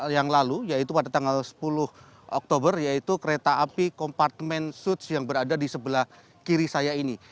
yang lalu yaitu pada tanggal sepuluh oktober yaitu kereta api kompartemen suits yang berada di sebelah kiri saya ini